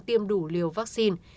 tiêm đủ liều vaccine